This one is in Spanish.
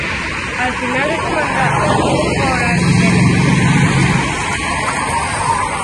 Al final de su mandato no buscó la reelección.